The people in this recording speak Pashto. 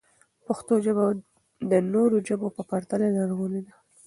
پښتو ژبه د نورو ژبو په پرتله لرغونې ده.